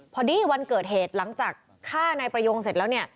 พอดีวันเกิดเหตุหลังจากฆ่าในประโยงเสร็จแล้ว